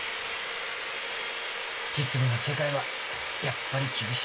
実務の世界はやっぱり厳しいよ。